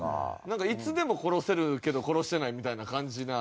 なんかいつでも殺せるけど殺してないみたいな感じな。